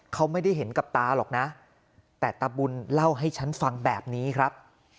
เขาไม่ได้เห็นกับตาหรอกนะแต่ตาบุญเล่าให้ฉันฟังแบบนี้ครับ